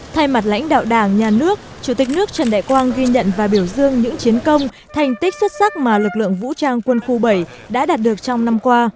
thay mặt lãnh đạo đảng nhà nước chủ tịch nước trần đại quang ghi nhận và biểu dương những chiến công thành tích xuất sắc mà lực lượng vũ trang quân khu bảy đã đạt được trong năm qua